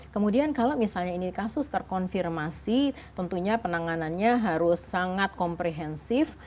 kemudian kalau misalnya ini kasus terkonfirmasi tentunya penanganannya harus sangat komprehensif